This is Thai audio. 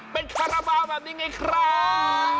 เป็นคาราบาลแบบนี้ไงครับ